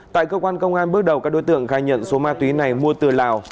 tại cơ quan công an bước đầu các đối tượng khai nhận số ma túy này mua từ lào